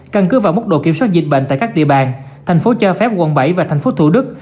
căn cứ vào mức độ kiểm soát dịch bệnh tại các địa bàn thành phố cho phép quận bảy và thành phố thủ đức